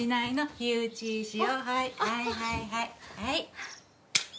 はいはいはいはい。